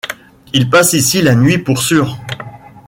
Il passe ici la nuit, pour sûr?